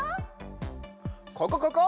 ここここ！